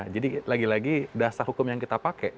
jadi lagi lagi dasar hukum yang kita pakai